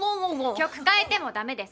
曲変えてもダメです！